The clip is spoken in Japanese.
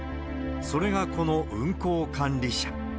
それがこの運航管理者。